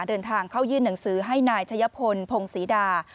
เดินทางเข้ายื่นหนังสือให้นายชะยะพลพงศรีดา